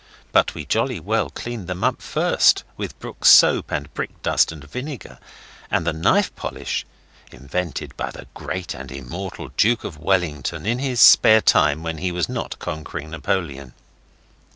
But we jolly well cleaned them up first with Brooke's soap and brick dust and vinegar, and the knife polish (invented by the great and immortal Duke of Wellington in his spare time when he was not conquering Napoleon.